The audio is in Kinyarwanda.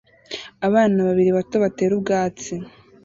Abana babiri bato batera ubwatsi